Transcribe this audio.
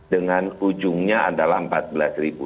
dengan ujungnya adalah rp empat belas ribu